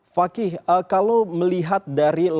fakih kalau melihat dari